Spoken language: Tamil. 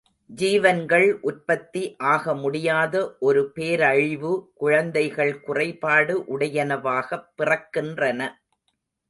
ஜீவன்கள் உற்பத்தி ஆகமுடியாத ஒரு பேரழிவு குழந்தைகள் குறைபாடு உடையனவாகப் பிறக்கின்றன.